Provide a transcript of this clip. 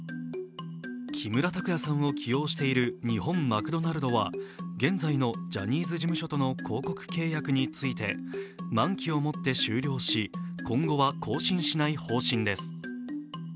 木村拓哉さんを起用している日本マクドナルドは現在のジャニーズ事務所との広告契約について満期をもって終了し、今後は更新しない方針です。